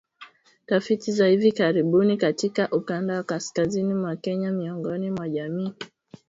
Tafiti za hivi karibuni katika ukanda wa kaskazini mwa Kenya miongoni mwa jamii